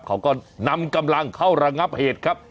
เขาก็นำกำลังเข้าระงับเหตุครับ